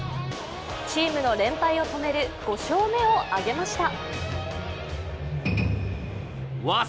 チームの連敗を止める５勝目を挙げました。